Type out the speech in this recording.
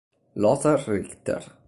Lothar Richter